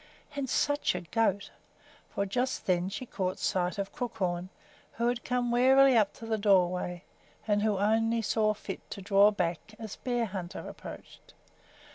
And such a goat! for just then she caught sight of Crookhorn, who had come warily up to the doorway, and who only saw fit to draw back as Bearhunter approached.